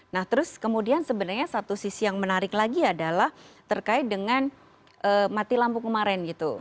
nah terus kemudian sebenarnya satu sisi yang menarik lagi adalah terkait dengan mati lampu kemarin gitu